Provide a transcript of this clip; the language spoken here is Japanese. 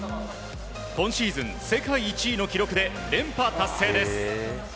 今シーズン世界一の記録で連覇達成です。